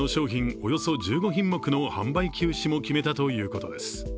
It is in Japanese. およそ１５品目の販売休止も決めたということです。